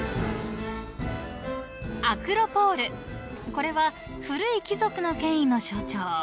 ［これは古い貴族の権威の象徴］